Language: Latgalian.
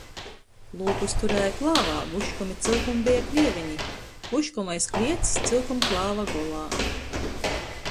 Lūpus turēja klāvā, vuškom i cyukom beja klieveni. Vuškom aiz kliets, cyukom klāva golā.